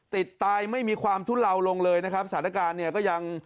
ติดตายไม่มีความทุเลาลงเลยนะครับสถานการณ์เนี่ยก็ยัง